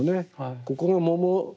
ここの桃。